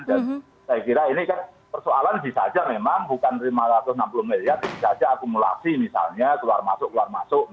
dan saya kira ini kan persoalan bisa saja memang bukan lima ratus enam puluh miliar bisa saja akumulasi misalnya keluar masuk keluar masuk